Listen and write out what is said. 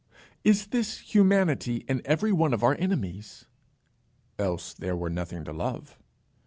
"Is this humanity in every one of our enemies?" "Else there were nothing to love."